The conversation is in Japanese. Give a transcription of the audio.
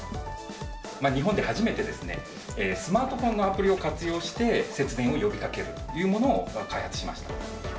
日本で初めてですね、スマートフォンのアプリを活用して、節電を呼びかけるというものを開発しました。